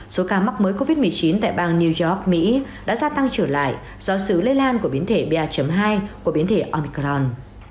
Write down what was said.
số ca mắc mới covid một mươi chín tại bang new york mỹ đã gia tăng trở lại do sự lây lan của biến thể ba hai của biến thể omicron